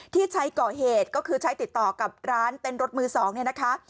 ที่ใช้ก่อเหตุก็คือใช้ติดต่อกับร้านเต้นรถมือสองเนี่ยนะคะ